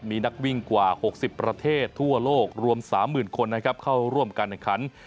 มีนักวิ่งกว่า๖๐ประเทศทั่วโลกรวม๓๐๐๐คนนะครับเข้าร่วมการแข่งขัน